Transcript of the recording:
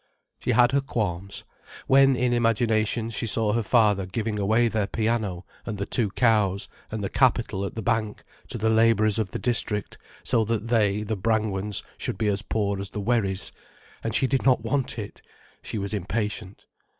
She had her qualms, when in imagination she saw her father giving away their piano and the two cows, and the capital at the bank, to the labourers of the district, so that they, the Brangwens, should be as poor as the Wherrys. And she did not want it. She was impatient.